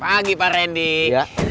pagi pak rendy